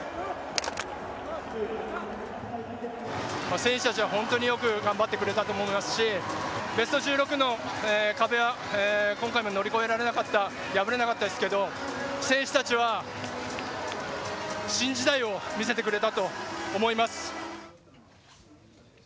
選手たちは本当によく頑張ってくれたと思いますしベスト１６の壁は今回も乗り越えられなかった破れなかったですけど選手たちは新時代を見せてくれたと思います。